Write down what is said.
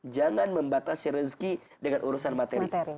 jangan membatasi rezeki dengan urusan materi